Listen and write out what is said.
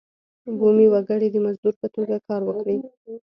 بومي وګړي د مزدور په توګه کار وکړي.